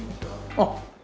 あっ。